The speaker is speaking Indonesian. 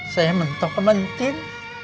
saya minta kementin